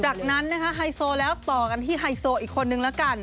จากนั้นนะคะไฮโซแล้วต่อกันที่ไฮโซอีกคนนึงแล้วกัน